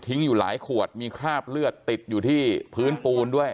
อยู่หลายขวดมีคราบเลือดติดอยู่ที่พื้นปูนด้วย